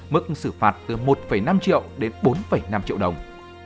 mức xử phạt từ một năm triệu đến bốn năm triệu đồng